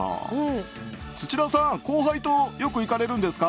土田さん後輩とよく行かれるんですか？